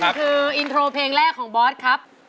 นี่คืออินโทรเพลงแรกของบอสครับ